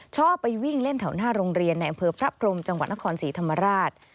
ชอบไปวิ่งเล่นแถวหน้าโรงเรียนในอำเภอพระพรมจังหวัดนครศรีธรรมราช